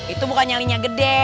itu bukan nyalinya gede